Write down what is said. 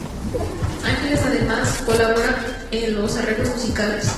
Ángel además colabora en los arreglos musicales.